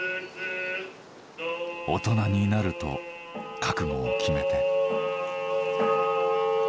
大人になると覚悟を決めて。